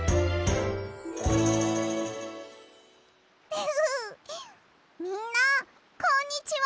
ふふふみんなこんにちは！